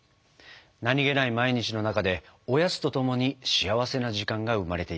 何気ない毎日の中でおやつとともに幸せな時間が生まれていたんですね。